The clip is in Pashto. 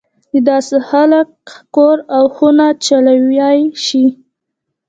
دداسې خلک کور او خونه چلولای شي.